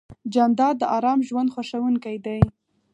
جانداد د ارام ژوند خوښوونکی دی.